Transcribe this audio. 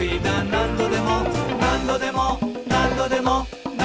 「なんどでもなんどでもなんどでも」